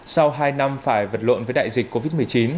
sau hai năm phải vật lộn với đại dịch covid một mươi chín